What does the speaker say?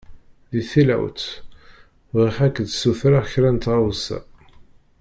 Di tilawt, bɣiɣ ad k-d-ssutreɣ kra tɣawsa.